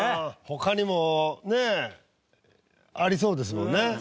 他にもねありそうですもんね。